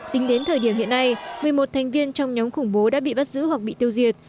tính đến thời điểm hiện nay một mươi một thành viên trong nhóm khủng bố đã bị bắt giữ hoặc bị tiêu diệt